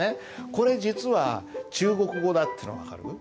これ実は中国語だっていうの分かる？